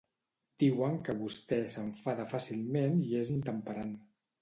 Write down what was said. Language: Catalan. Diuen que vostè s'enfada fàcilment i és intemperant.